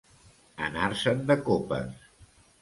Anar-se'n de copes.